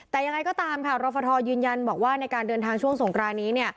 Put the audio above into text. แต่ยังไงก็ตามค่ะรฟทยืนยันบอกว่าในการเดินทางช่วงสงกรานนี้เนี่ย